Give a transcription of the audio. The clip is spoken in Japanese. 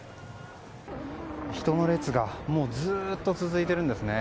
人の列がずっと続いているんですね。